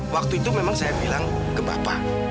waktu itu memang saya bilang ke bapak